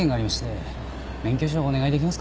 免許証お願いできますか。